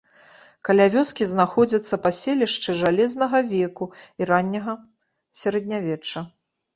Каля вёскі знаходзяцца паселішчы жалезнага веку і ранняга сярэднявечча.